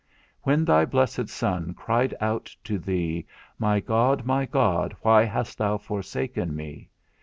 When thy blessed Son cried out to thee, _My God, my God, why hast thou forsaken me?